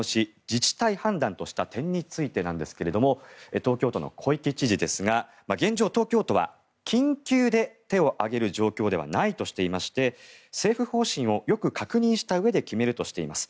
自治体判断とした点についてなんですが東京都の小池知事ですが現状、東京都は緊急で手を挙げる状況ではないとしていて政府方針をよく確認したうえで決めるとしています。